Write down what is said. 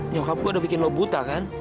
nyokap gue udah bikin lo buta kan